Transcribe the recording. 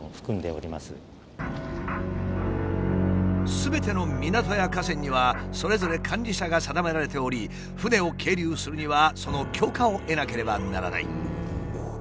すべての港や河川にはそれぞれ管理者が定められており船を係留するにはその許可を得なければならない。